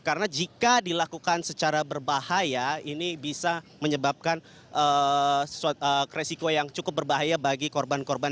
karena jika dilakukan secara berbahaya ini bisa menyebabkan resiko yang cukup berbahaya bagi korban korban